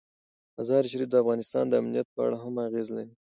مزارشریف د افغانستان د امنیت په اړه هم اغېز لري.